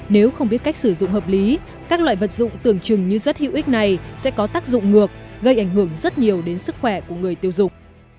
nếu không biết cách sử dụng hợp lý các loại vật dụng tưởng chừng như rất hữu ích này sẽ có tác dụng ngược gây ảnh hưởng rất nhiều đến sức khỏe của người tiêu dục